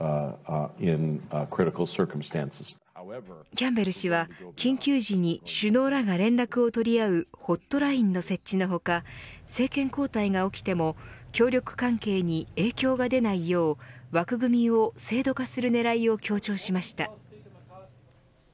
キャンベル氏は緊急時に首脳らが連絡を取り合うホットラインの設置の他政権交代が起きても協力関係に影響が出ないよう枠組みを制度化する狙いを強調しました。